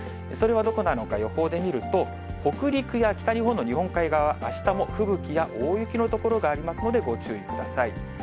それはどこなのか、予報で見ると、北陸や北日本の日本海側はあしたも吹雪や大雪の所がありますのでご注意ください。